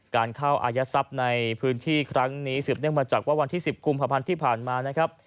การเข้าอายัดทรัพย์ในพื้นที่ครั้งนี้สืบเนื่องมาจากว่าวันที่๑๐กุมภาพันธ์ที่ผ่านมานะครับ